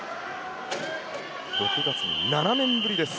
６月に７年ぶりです。